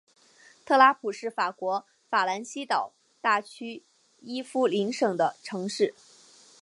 特拉普是法国法兰西岛大区伊夫林省的城市。